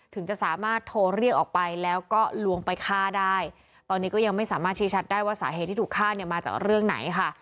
ถึงจะสามารถโทรเรียกออกไปแล้วก็ลวงไปฆ่าได้ตอนนี้ก็ยังไม่สามารถชี้ชัดได้ว่าสาเหตุที่ถูกฆ่าเนี่ยมาจากเรื่องไหนค่ะ